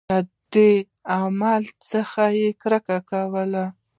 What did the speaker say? له دې عمل څخه یې کرکه کوله.